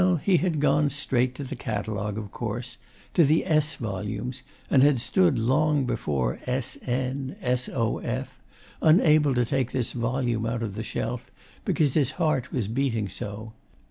Well, he had gone straight to the catalogue, of course to the S volumes, and had stood long before SN SOF, unable to take this volume out of the shelf, because his heart was beating so....